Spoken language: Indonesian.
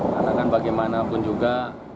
karena kan bagaimanapun juga